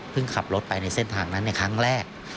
เพิ่งขับรถไปในเส้นทางนั้นเนี่ยครั้งแรก